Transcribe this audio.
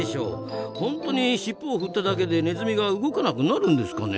本当にしっぽを振っただけでネズミが動かなくなるんですかね？